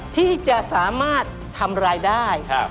ที่จะสามารถทำรายได้